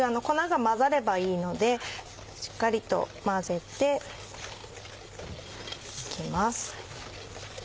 粉が混ざればいいのでしっかりと混ぜて行きます。